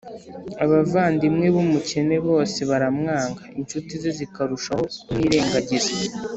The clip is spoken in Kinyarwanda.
abavandimwe b’umukene bose baramwanga, incuti ze zikarushaho kumwirengagiza